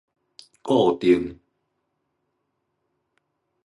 固定